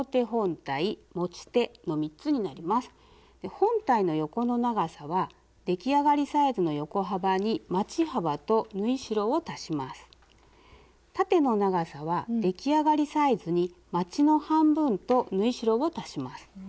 縦の長さは出来上がりサイズにまちの半分と縫い代を足します。